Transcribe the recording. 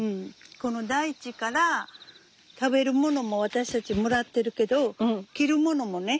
この大地から食べるものも私たちもらってるけど着るものもね